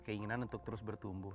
keinginan untuk terus bertumbuh